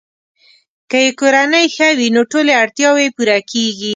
که یې کورنۍ ښه وي، نو ټولې اړتیاوې یې پوره کیږي.